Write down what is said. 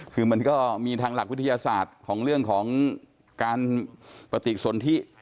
คือมันก็มีทางหลักวิทยาศาสตร์ของเรื่องของการปฏิสนทิ